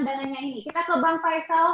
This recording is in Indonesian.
dananya ini kita ke bang faisal